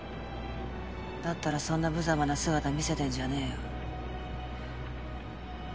だったらそんな無様な姿見せてんじゃねぇよ。